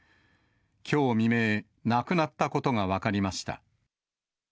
きょう未明、亡くなったことが分かりました。